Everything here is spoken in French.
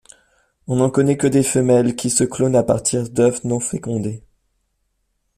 On n'en connait que des femelles qui se clonent à partir d'œufs non fécondés.